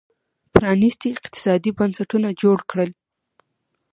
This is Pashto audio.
پرانېستي اقتصادي بنسټونه جوړ کړل